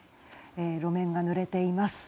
路面がぬれています。